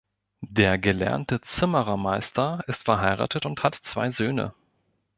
Der gelernte Zimmerermeister ist verheiratet und hat zwei Söhne.